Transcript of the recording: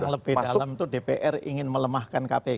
yang lebih dalam tuh dpr ingin melemahkan kpk